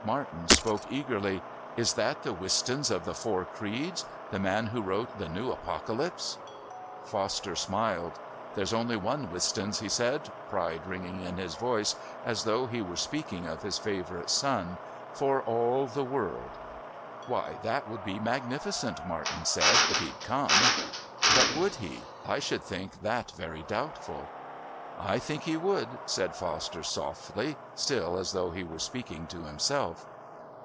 Martin spoke eagerly: "Is that the Wistons of the Four Creeds? the man who wrote The New Apocalypse?" Foster smiled. "There's only one Wistons," he said, pride ringing in his voice as though he were speaking of his favourite son, "for all the world." "Why, that would be magnificent," Martin said, "if he'd come. But would he? I should think that very doubtful." "I think he would," said Foster softly, still as though he were speaking to himself.